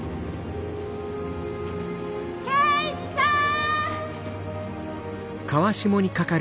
圭一さん！